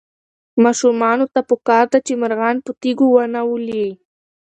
ماشومانو ته پکار ده چې مرغان په تیږو ونه ولي.